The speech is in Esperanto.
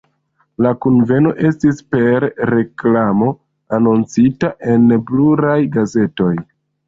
La kunveno estis per reklamo anoncita en pluraj gazetoj.